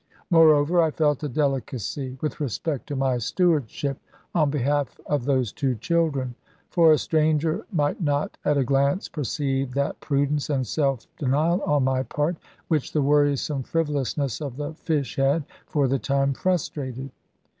Moreover, I felt a delicacy with respect to my stewardship on behalf of those two children; for a stranger might not at a glance perceive that prudence and self denial on my part, which the worrisome frivolousness of the fish had, for the time, frustrated.